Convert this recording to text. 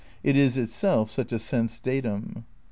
It is itself such a sense dattma.